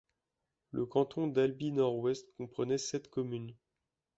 Le canton d'Albi-Nord-Ouest comprenait sept communes.